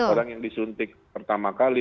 orang yang disuntik pertama kali